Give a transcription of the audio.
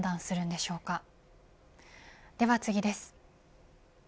では次です。